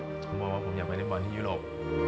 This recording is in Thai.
ผมว่าผมอยากไปได้บริเวณที่ยุโรป